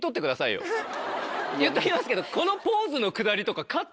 言っときますけどこの。